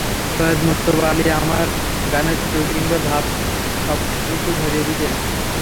সৈয়দ মুজতবা আলী আমার গানের ত্রুটি কিংবা ধাপ সবকিছু ধরিয়ে দিতেন।